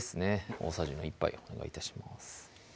大さじの１杯お願い致します